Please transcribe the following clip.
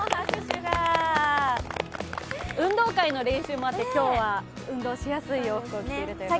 運動会の練習もあって、今日は運動しやすい洋服を着ているということで。